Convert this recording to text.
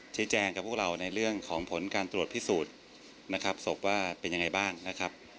ชี้แจงกับพวกเราในเรื่องของผลการตรวจพิสูจน์นะครับศพว่าเป็นยังไงบ้างนะครับ